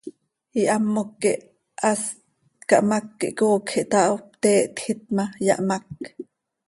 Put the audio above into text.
Ihamoc quih hast cahmác quih coocj ihtaho, pte htjiit ma, yahmác.